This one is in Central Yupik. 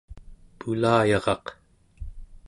pulayaraq